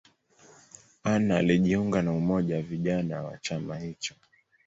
Anna alijiunga na umoja wa vijana wa chama hicho.